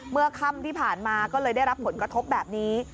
ค่ำที่ผ่านมาก็เลยได้รับผลกระทบแบบนี้